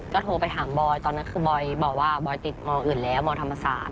ก็โทรไปถามบอยตอนนั้นคือบอยบอกว่าบอยติดมอื่นแล้วมธรรมศาสต